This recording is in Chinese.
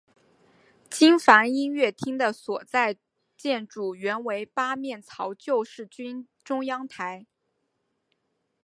金帆音乐厅的所在建筑原为八面槽救世军中央堂。